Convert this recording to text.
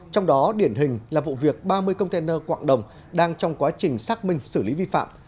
trong đó điển hình là vụ việc ba mươi container quạng đồng đang trong quá trình xác minh xử lý vi phạm